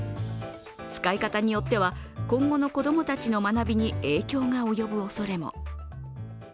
使い方によっては今後の子供たちの学びに影響が及ぶ恐れも。